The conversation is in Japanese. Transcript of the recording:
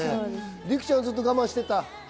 ＲＩＫＵちゃんもずっと我慢してた？